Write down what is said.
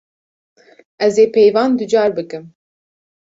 Ez ê peyvan ducar bikim.